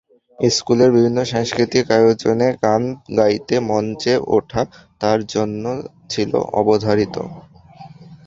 স্কুলের বিভিন্ন সাংস্কৃতিক আয়োজনে গান গাইতে মঞ্চে ওঠা তাঁর জন্য ছিল অবধারিত।